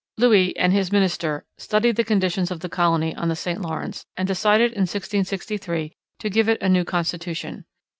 Louis and his minister studied the conditions of the colony on the St Lawrence and decided in 1663 to give it a new constitution.